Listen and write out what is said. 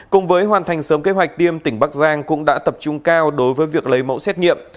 cùng với hoàn thành sớm kế hoạch tiêm tỉnh bắc giang cũng đã tập trung cao đối với việc lấy mẫu xét nghiệm